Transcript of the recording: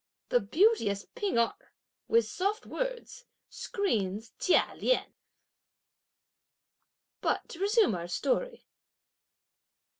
The beauteous P'ing Erh, with soft words, screens Chia Lien. But to resume our story.